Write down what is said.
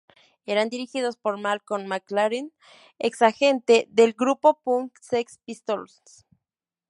Eran dirigidos por Malcolm McLaren, ex agente del grupo punk Sex Pistols.